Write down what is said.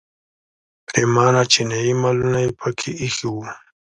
پریمانه چینایي مالونه یې په کې ایښي وو.